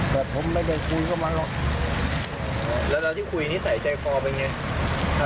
บอกผมไม่ได้คุยกับมันหรอกแล้วตอนที่คุยนิสัยใจคอเป็นไง